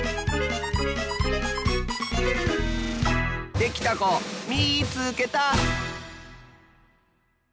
できたこみいつけた！